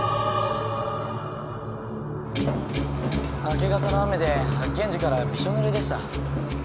明け方の雨で発見時からびしょ濡れでした。